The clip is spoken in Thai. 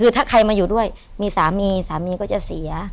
คือถ้าใครมาอยู่ด้วยมีสามีสามีก็จะเสีย